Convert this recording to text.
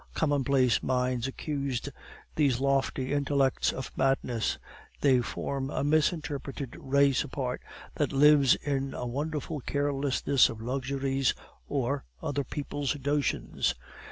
Commonplace minds accuse these lofty intellects of madness; they form a misinterpreted race apart that lives in a wonderful carelessness of luxuries or other people's notions.